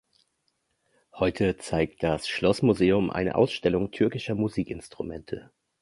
Heute zeigt das Schlossmuseum eine Ausstellung türkischer Musikinstrumente.